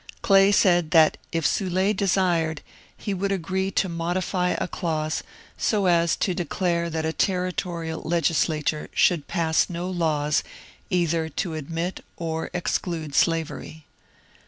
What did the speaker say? Clay said that if Soul^ desired he would agree to modify a clause so a^ to declare that a territorial legislature should pass no laws ^^ either to admit or exclude slavery."